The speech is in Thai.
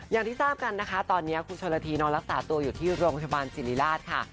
อย่างที่ทราบกันนะคะตอนนี้คุณชนละทีนอนรักษาตัวอยู่ที่โรงพยาบาลสิริราชค่ะ